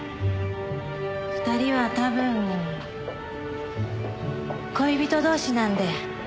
２人は多分恋人同士なんで。